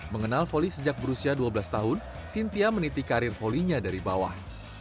mengenal voli sejak berusia dua belas tahun sintia meniti karir volinya dari bawah